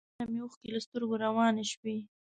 بې اختیاره مې اوښکې له سترګو روانې شوې.